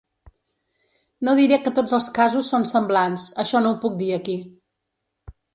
No diré que tots els casos són semblants, això no ho puc dir aquí.